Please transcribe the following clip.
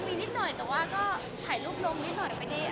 มีนิดนึงแต่ถ่ายรูปลงนิดนึงมากค่ะ